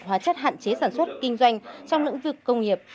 hóa chất hạn chế sản xuất kinh doanh trong lĩnh vực công nghiệp